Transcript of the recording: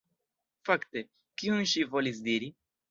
Fakte, kion ŝi volis diri?